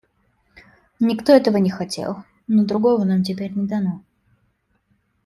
Никто этого не хотел, но другого нам теперь не дано.